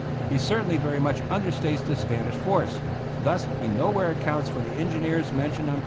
He certainly very much understates the Spanish force; thus he nowhere accounts for the engineers mentioned on p.